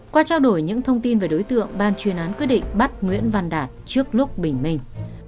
qua trao đổi những thông tin về đối tượng ban chuyên án quyết định bắt nguyễn văn đạt trước lúc bình minh